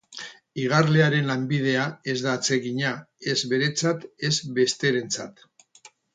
Igarlearen lanbidea ez da atsegina, ez beretzat ez besterentzat.